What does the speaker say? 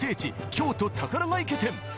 京都宝ヶ池店